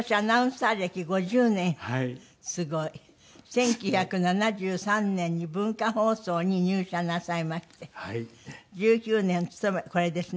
１９７３年に文化放送に入社なさいまして１９年勤めこれですね。